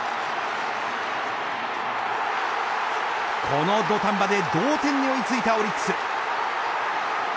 この土壇場で同点に追いついたオリックス。